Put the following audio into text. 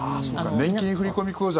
年金振込口座